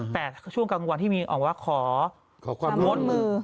แต่ช่วงกลางวันที่มีออกว่าขอความร่วมมือ